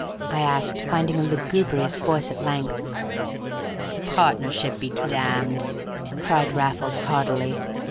I asked, finding a lugubrious voice at length. "Partnership be damned!" cried Raffles, heartily.